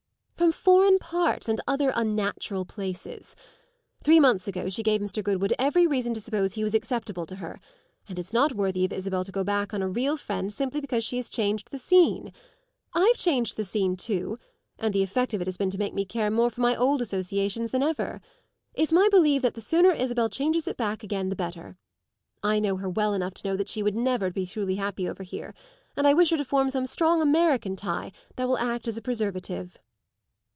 "From foreign parts and other unnatural places. Three months ago she gave Mr. Goodwood every reason to suppose he was acceptable to her, and it's not worthy of Isabel to go back on a real friend simply because she has changed the scene. I've changed the scene too, and the effect of it has been to make me care more for my old associations than ever. It's my belief that the sooner Isabel changes it back again the better. I know her well enough to know that she would never be truly happy over here, and I wish her to form some strong American tie that will act as a preservative."